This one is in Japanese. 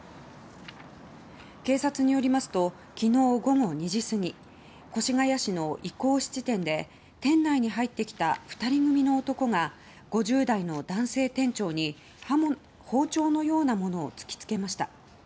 警察によりますと昨日午後２時過ぎ越谷市のイコー質店で店内に入ってきた２人組の男が５０代の男性店長に包丁のようなものを突き付けました。